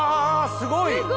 すごい！